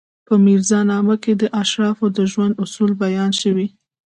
په میرزا نامه کې د اشرافو د ژوند اصول بیان شوي.